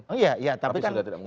tapi sudah tidak mengusung